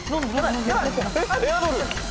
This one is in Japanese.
エアドル。